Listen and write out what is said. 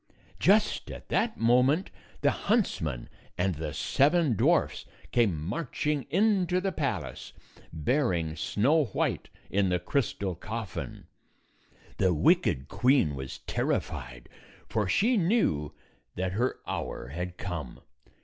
Just at that moment, the huntsman and the seven dwarfs came marching into the palace, 242 bearing Snow White in the crystal coffin. The wicked queen was terrified, for she knew that her hour had come.